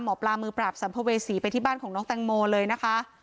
หมอปลามือปราบสัมภเวษีไปที่บ้านของน้องแตงโมเลยนะคะ